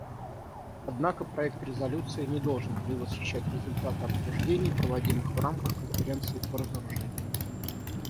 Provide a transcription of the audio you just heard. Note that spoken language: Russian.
Однако проект резолюции не должен предвосхищать результаты обсуждений, проводимых в рамках Конференции по разоружению.